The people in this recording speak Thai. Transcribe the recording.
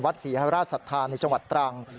วัดศรีฮราชสัทธาในจังหวัดตรังก์